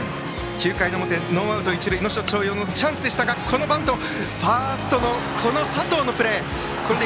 ９回の表、ノーアウト、一塁の能代松陽のチャンスでしたがバントをファースト、佐藤のプレー。